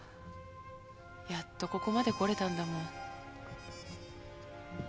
やっとここまでこれたんだもん。